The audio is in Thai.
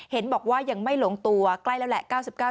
เห็นบอกว่ายังไม่หลงตัวใกล้แล้วแหละ